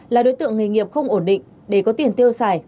là đối tượng nghề nghiệp không ổn định để có tiền tiêu xài